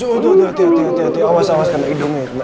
hati hati awas awas kena hidungnya